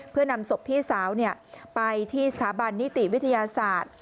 เพื่อนำศพพี่สาวไปที่สถาบันนิติวิทยาศาสตร์